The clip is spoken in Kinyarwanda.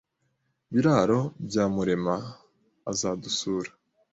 Biraro bya Murema azadusura